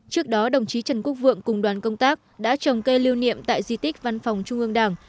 trước đó đồng chí trần quốc vượng cùng đoàn công tác đã trồng cây lưu niệm tại di tích văn phòng trung ương đảng